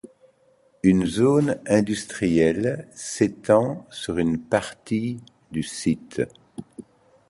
Une zone industrielle s'étend sur une partie du site.